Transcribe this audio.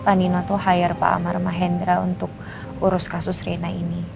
pak nino tuh hire pak amar mahendra untuk urus kasus rena ini